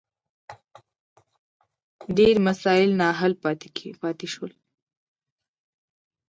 ډېر مسایل نا حل پاتې شول.